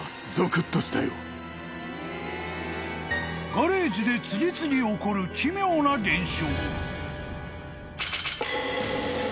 ［ガレージで次々起こる奇妙な現象］